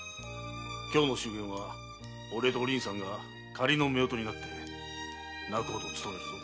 今日の祝言は俺とお凛さんが仮の夫婦になって仲人を務めるぞ。